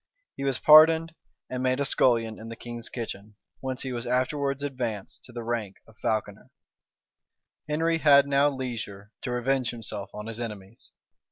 He was pardoned, and made a scullion in the king's kitchen whence he was afterwards advanced to the rank of a falconer.[*] * Bacon, p. 586. Polyd. Virg. p; 574. Henry had now leisure to revenge himself on his enemies.